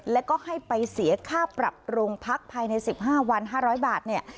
แล้วก็ให้ไปเสียค่าปรับโรงพักษ์ภายในสิบห้าวันห้าร้อยบาทเนี่ย